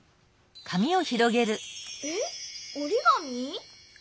えっおりがみ？